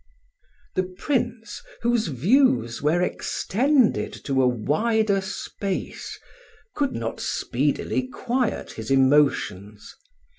The Prince, whose views were extended to a wider space, could not speedily quiet his emotions.